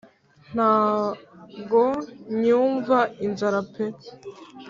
Ntago nyumva inzara pe